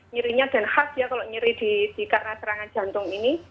nyerinya dan khas ya kalau nyeri karena serangan jantung ini